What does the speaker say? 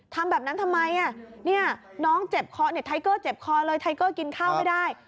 ทำแบบนั้นทำไมน้องเจ็บคอเนี่ยไทเกอร์เจ็บคอเลยไทเกอร์กินข้าวไม่ได้